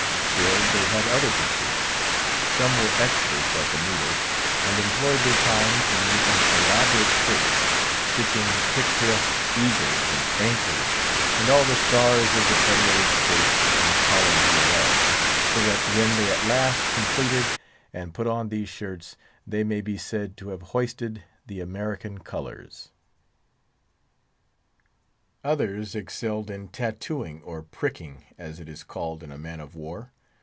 Still, they had other pursuits; some were experts at the needle, and employed their time in making elaborate shirts, stitching picturesque eagles, and anchors, and all the stars of the federated states in the collars thereof; so that when they at last completed and put on these shirts, they may be said to have hoisted the American colors. Others excelled in tattooing or pricking, as it is called in a man of war.